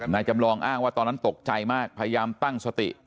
จำลองอ้างว่าตอนนั้นตกใจมากพยายามตั้งสติ